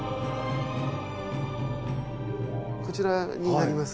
こちらになります。